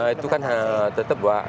itu kan tetap buat